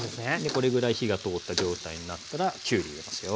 これぐらい火が通った状態になったらきゅうり入れますよ。